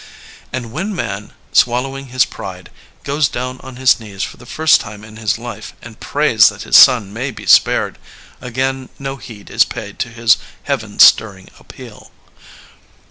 And when Man, swallowing his pride, goes down on his knees for the first time in his life and prays that his son may be spared, again no heed is paid to his heaven stirring appeal.